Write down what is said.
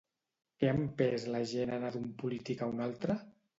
Què ha empès la gent a anar d'un polític a un altre?